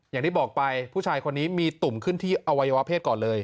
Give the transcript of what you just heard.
อย่างที่บอกไปผู้ชายคนนี้มีตุ่มขึ้นที่อวัยวะเพศก่อนเลย